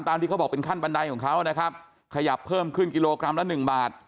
ที่เขาบอกเป็นขั้นบันไดของเขานะครับขยับเพิ่มขึ้นกิโลกรัมละหนึ่งบาท